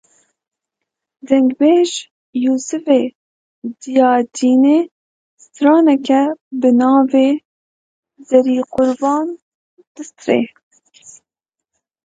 Dengbêj Yûsivê Diyadînê straneke bi navê Zerî Qurban distirê.